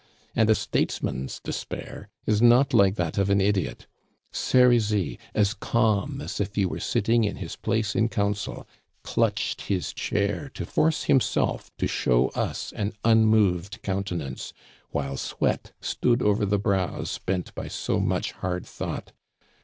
And a statesman's despair is not like that of an idiot. Serizy, as calm as if he were sitting in his place in council, clutched his chair to force himself to show us an unmoved countenance, while sweat stood over the brows bent by so much hard thought.